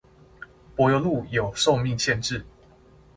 柏油路有壽命限制